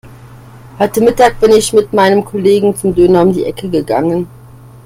Heute Mittag bin ich mit meinen Kollegen zum Döner um die Ecke gegangen.